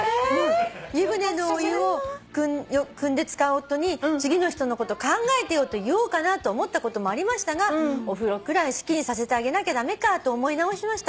「湯船のお湯をくんで使う夫に次の人のこと考えてよと言おうかなと思ったこともありましたがお風呂くらい好きにさせてあげなきゃ駄目かと思い直しました。